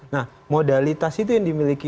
nah modalitas itu yang dimiliki